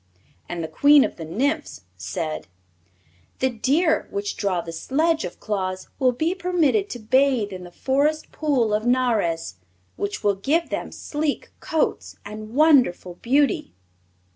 And the Queen of the Nymphs said: "The deer which draw the sledge of Claus will be permitted to bathe in the Forest pool of Nares, which will give them sleek coats and wonderful beauty."